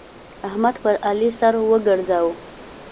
احمد پر علي سر وګرځاوو.